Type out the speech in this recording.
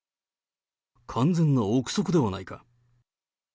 完全な臆測ではないか。